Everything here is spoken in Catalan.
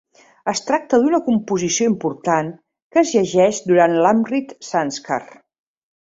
Es tracta d'una composició important que es llegeix durant l'Amrit Sanskar.